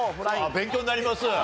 勉強になります。